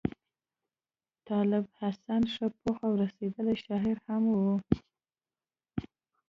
طالب حسین ښه پوخ او رسېدلی شاعر لا هم وو.